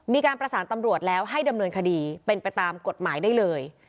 มีการประสานตำรวจแล้วให้ดำเนินคดีเป็นไปตามกฎหมายได้เลย